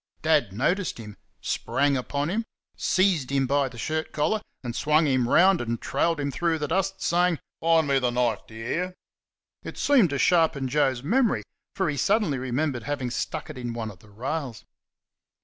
Dad noticed him; sprang upon him; seized him by the shirt collar and swung him round and trailed him through the yard, saying: "Find me th' knife; d' y' HEAR?" It seemed to sharpen Joe's memory, for he suddenly remembered having stuck it in one of the rails.